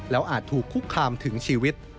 อาจถูกคุกคามถึงชีวิต